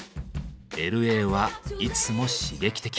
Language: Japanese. Ｌ．Ａ．はいつも刺激的。